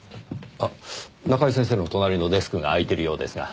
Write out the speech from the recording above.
あっ中井先生の隣のデスクが空いてるようですが。